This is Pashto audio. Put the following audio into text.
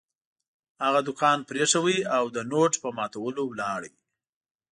هغه دوکان پرېښود او د نوټ په ماتولو ولاړ.